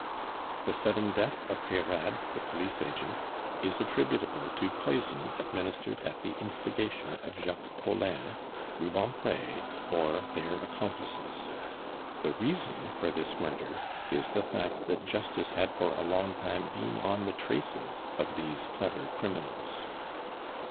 "The sudden death of Peyrade, the police agent, is attributable to poison administered at the instigation of Jacques Collin, Rubempre, or their accomplices. The reason for this murder is the fact that justice had for a long time been on the traces of these clever criminals."